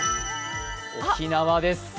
沖縄です。